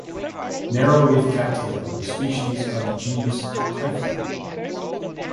Narrowleaf cattail a species of genus typha.